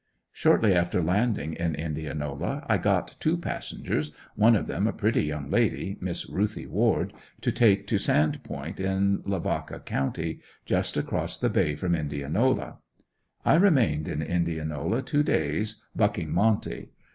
Shortly after landing in Indianola I got two passengers, one of them a pretty young lady, Miss Ruthie Ward, to take to Sand Point in Lavaca county, just across the Bay from Indianola. I remained in Indianola two days "bucking" monte.